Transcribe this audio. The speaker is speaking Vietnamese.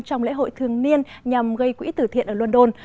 trong lễ hội thường niên nhằm gây quỹ tử thiện ở london